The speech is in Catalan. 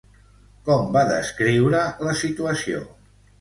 Com va descriure la situació?